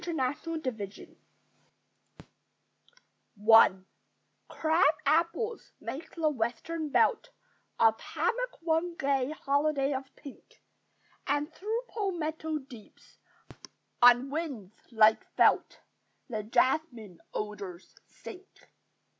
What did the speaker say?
THE SPRING IN FLORIDA I Crab apples make the western belt Of hamak one gay holiday of pink; And through palmetto deeps, on winds like felt, The jasmine odors sink.